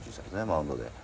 マウンドで。